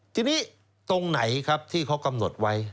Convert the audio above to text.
ทีนี้ตรงไหนครับที่เขากำหนดไว้